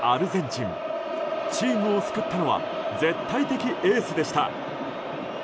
チームを救ったのは絶対的エースでした。